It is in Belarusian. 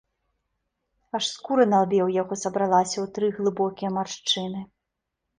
Аж скура на лбе ў яго сабралася ў тры глыбокія маршчыны.